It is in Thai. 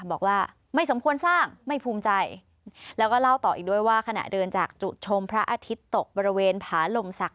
บอกว่าไม่สมควรสร้างไม่ภูมิใจแล้วก็เล่าต่ออีกด้วยว่าขณะเดินจากจุดชมพระอาทิตย์ตกบริเวณผาลมศักดิ